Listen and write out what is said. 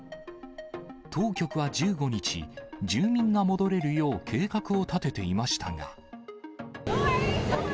当局は１５日、住民が戻れるよう計画を立てていましたが。